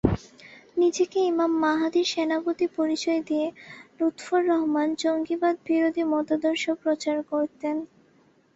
নিজেকে ইমাম মাহাদীর সেনাপতি পরিচয় দিয়ে লুত্ফর রহমান জঙ্গিবাদবিরোধী মতাদর্শ প্রচার করতেন।